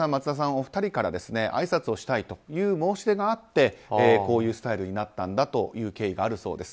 お二人からあいさつをしたいという申し出があって、こういうスタイルになったんだという経緯があるそうです。